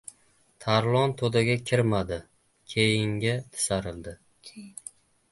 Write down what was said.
Tarlon to‘daga kirmadi! Keyiniga tisarildi.